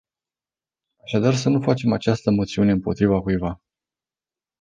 Așadar să nu facem această moțiune împotriva cuiva.